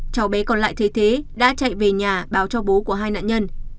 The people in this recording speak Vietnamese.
cháu bé còn lại thế đã chạy về nhà báo cho bố của hai nạn nhân